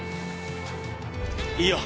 いいよ！